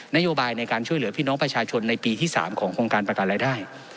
นโยบายในการช่วยเหลือพี่น้องประชาชนในปีที่๓ของโครงการประกันรายได้